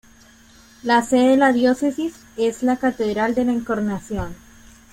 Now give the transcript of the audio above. La sede de la Diócesis es la Catedral de la Encarnación.